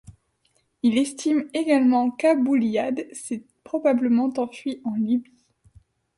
Il estime également qu'Abou Iyadh s'est probablement enfui en Libye.